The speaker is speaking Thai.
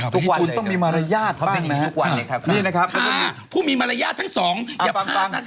ทุกวันต้องมีมารยาททั้งสอง